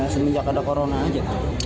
sejak ada corona aja